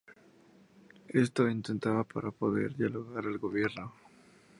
Esto intentaba para poder dialogar al gobierno.